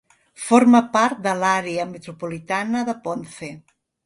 Forma part de l'Àrea metropolitana de Ponce.